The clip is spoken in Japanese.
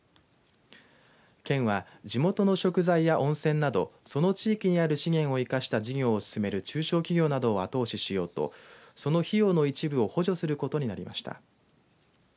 県は地元の食材や温泉などその地域にある資源を生かした事業を進める中小企業などを後押ししようとその費用の一部を補助することになりました。